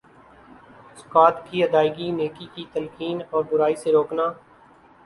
زکوۃ کی ادئیگی نیکی کی تلقین اور برائی سے روکنا